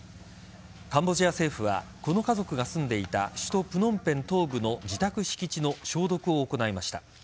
カンボジア政府はこの家族が住んでいた首都・プノンペン東部の自宅敷地の消毒を行いました。